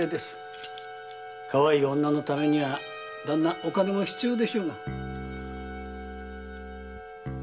かわいい女のためにはお金も必要でしょう。